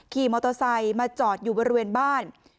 ขี่มอเตอร์ไซค์มาจอดอยู่บริเวณบ้าน